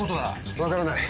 分からない